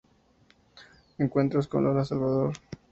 Encuentros con Lola Salvador".